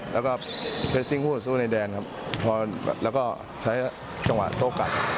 แล้วก็ไปซิ่งคู่ต่อสู้ในแดนครับพอแล้วก็ใช้จังหวะโต้กลับ